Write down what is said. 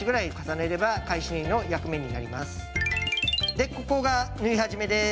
でここが縫い始めです。